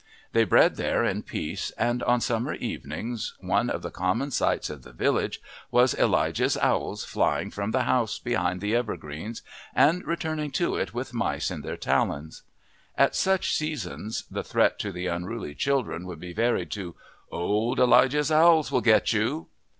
They bred there in peace, and on summer evenings one of the common sights of the village was Elijah's owls flying from the house behind the evergreens and returning to it with mice in their talons. At such seasons the threat to the unruly children would be varied to "Old Elijah's owls will get you."